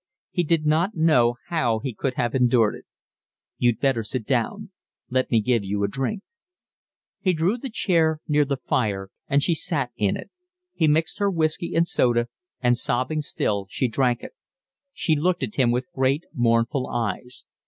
He did not know how he could have endured it. "You'd better sit down. Let me give you a drink." He drew the chair near the fire and she sat in it. He mixed her whiskey and soda, and, sobbing still, she drank it. She looked at him with great, mournful eyes.